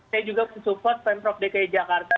saya juga mensupport pemprov dki jakarta